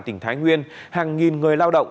tỉnh thái nguyên hàng nghìn người lao động